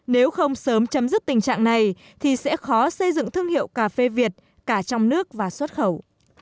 nếu không sớm chấm dứt tình trạng này thì sẽ khó xây dựng thương hiệu cà phê việt cả trong nước và xuất khẩu